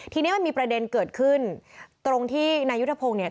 ทีนี้มันมีประเด็นเกิดขึ้นตรงที่นายุทธพงศ์เนี่ย